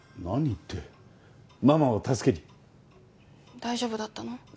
何ってママを助けに大丈夫だったの？